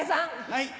はい。